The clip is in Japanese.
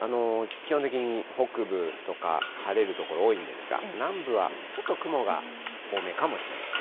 基本的に北部とか晴れる所、多いんですが、南部はちょっと雲が多めかもしれません。